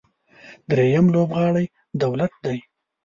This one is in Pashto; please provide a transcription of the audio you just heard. درېیم لوبغاړی دولت دی.